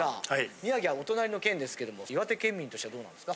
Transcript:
宮城はお隣の県ですけども岩手県民としてはどうなんですか？